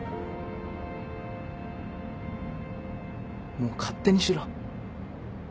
もう勝手にしろ。